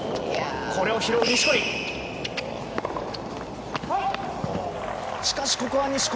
これを拾う錦織。